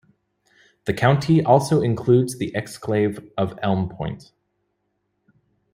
The county also includes the exclave of Elm Point.